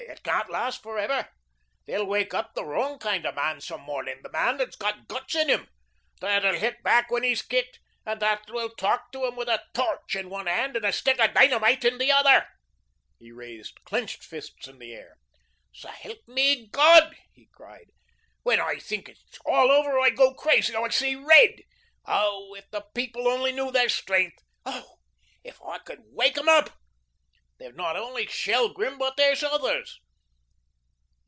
It can't last forever. They'll wake up the wrong kind of man some morning, the man that's got guts in him, that will hit back when he's kicked and that will talk to 'em with a torch in one hand and a stick of dynamite in the other." He raised his clenched fists in the air. "So help me, God," he cried, "when I think it all over I go crazy, I see red. Oh, if the people only knew their strength. Oh, if I could wake 'em up. There's not only Shelgrim, but there's others.